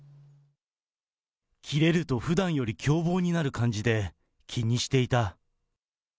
きれるとふだんより凶暴になる感じで、気にしていた。